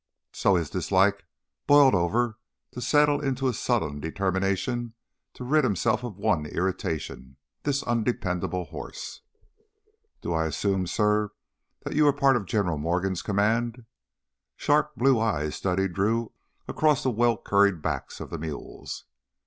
So his dislike boiled over, to settle into a sullen determination to rid himself of one irritation this undependable horse. "Do I assume, suh, that you are part of General Morgan's command?" Sharp blue eyes studied Drew across the well curried backs of the mules.